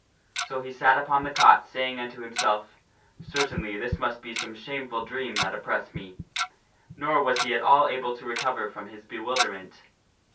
So he sat upon the cot, saying unto himself, " Certainly this must be some shameful dream that oppresses me." Nor was he at all able to recover from his bewilderment.